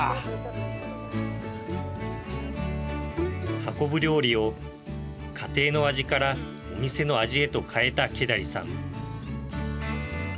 運ぶ料理を家庭の味からお店の味へと変えたケダリさん。